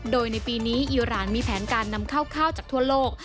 โดยในปีนี้อีรานมีแผนการนำข้าวข้าวจากทั่วโลก